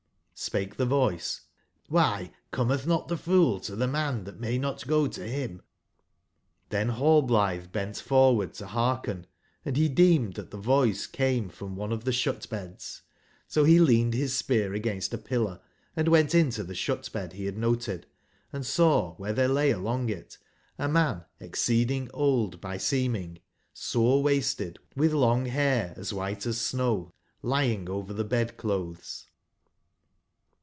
"j^S pake tbe voice: ''^by cometb not tbe fool to tbe man tbat may not go to bim ?''j^Cben Hallblitbe bent forward to bearken, and be deemed tbat tbe voice came from one of tbe sbut/beds, so be leaned bis spear against a pillar, and went into tbe sbut/bed be bad noted, & saw wbere tbere lay along in it a man exceeding old by seeming, sore wasted, witb long bair as wbite as snow lying over tbe bed/ clotbes.